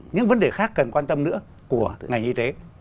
những vấn đề khác cần quan tâm nữa của ngành y tế